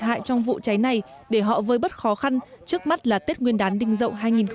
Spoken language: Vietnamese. hại trong vụ cháy này để họ vơi bất khó khăn trước mắt là tết nguyên đán đình dậu hai nghìn một mươi bảy